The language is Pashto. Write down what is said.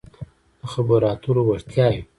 -د خبرو اترو وړتیاوې